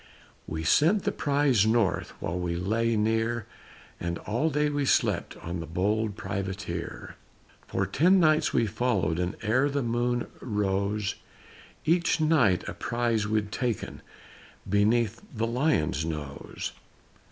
We sent the prize north While we lay near And all day we slept On the bold Privateer. For ten nights we followed, And ere the moon rose, Each night a prize we'd taken Beneath the Lion's nose.